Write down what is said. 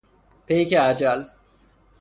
پیک اجل